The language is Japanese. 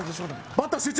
バッター集中